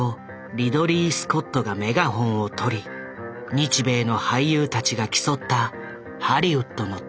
リドリー・スコットがメガホンを取り日米の俳優たちが競ったハリウッドの大作。